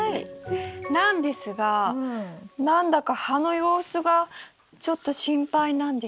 なんですが何だか葉の様子がちょっと心配なんです。